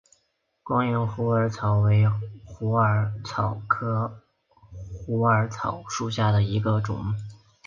光缘虎耳草为虎耳草科虎耳草属下的一个种。